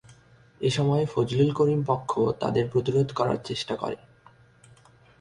এ সময় ফজলুল করিম পক্ষ তাঁদের প্রতিরোধ করার চেষ্টা করে।